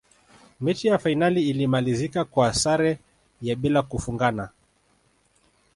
mechi ya fainali ilimalizika kwa sare ya bila kufungana